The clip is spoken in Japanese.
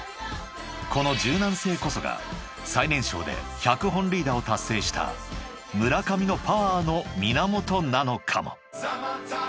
［この柔軟性こそが最年少で１００本塁打を達成した村上のパワーの源なのかも］